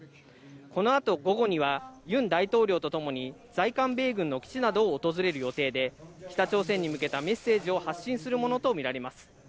この後、午後にはユン大統領とともに在韓米軍の基地など訪れる予定で、北朝鮮に向けたメッセージを発信するものとみられます。